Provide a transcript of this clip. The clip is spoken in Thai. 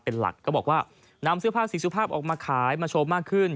เป็นหลักก็บอกว่านำเสื้อผ้าสีสุภาพออกมาขายมาโชว์มากขึ้น